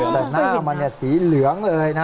แต่หน้ามันสีเหลืองเลยนะ